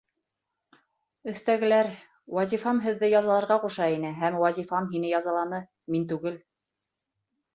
Өҫтәгеләр, вазифам һеҙҙе язаларға ҡуша ине һәм вазифам һине язаланы, мин түгел.